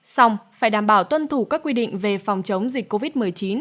xong phải đảm bảo tuân thủ các quy định về phòng chống dịch covid một mươi chín